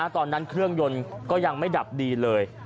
ตอนนั้นเครื่องยนต์ก็ยังไม่ดับดีเลย